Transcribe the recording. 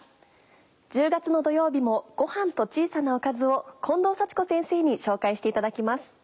１０月の土曜日もごはんと小さなおかずを近藤幸子先生に紹介していただきます。